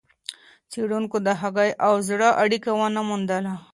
څېړونکو د هګۍ او زړه اړیکه ونه موندله.